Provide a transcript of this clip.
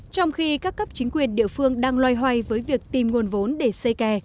trong khi các cấp chính quyền địa phương đang loay hoay với việc tìm nguồn vốn để xây kè